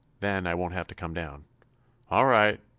"Then, I won't have to come down." "All right!